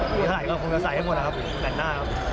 ถ้าไหล่ก็คงจะใส่ให้หมดนะครับแบบหน้าครับ